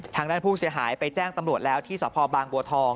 ทางด้านผู้เสียหายไปแจ้งตำรวจแล้วที่สพบางบัวทอง